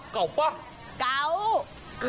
เก้าปะเก้าปะ